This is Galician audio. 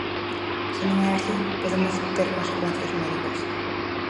Se non é así podemos ter consecuencias médicas.